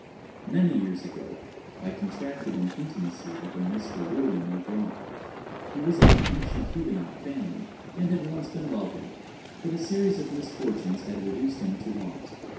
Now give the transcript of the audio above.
_ Many years ago, I contracted an intimacy with a Mr. William Legrand. He was of an ancient Huguenot family, and had once been wealthy; but a series of misfortunes had reduced him to want.